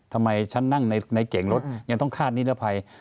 ทำไมฉันนั่งในเก่งรถยังต้องคาดนิรภัย